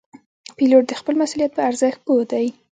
پیلوټ د خپل مسؤلیت په ارزښت پوه دی.